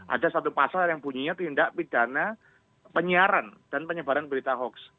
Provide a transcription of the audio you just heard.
ada satu pasal yang bunyinya tindak pidana penyiaran dan penyebaran berita hoax